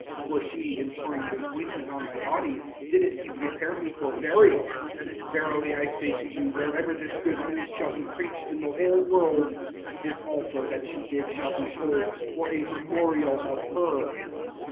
(12)For she, in pouring this ointment on my body, did it to prepare me for burial. (13)Verily I say to you, wherever this good news shall be preached in the whole world, this also that she did shall be told, for a memorial of her.